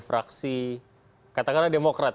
interaksi katakanlah demokrat